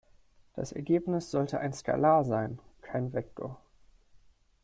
Das Ergebnis sollte ein Skalar sein, kein Vektor.